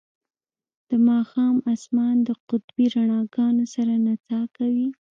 د ماښام اسمان د قطبي رڼاګانو سره نڅا کوي